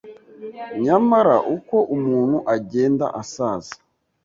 Nyamara uko umuntu agenda asaza